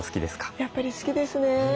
やっぱり好きですね。